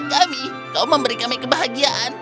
kami kau memberi kami kebahagiaan